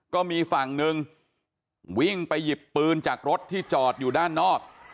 ก็มีฝั่งหนึ่งวิ่งไปหยิบปืนจากรถที่จอดอยู่ด้านนอก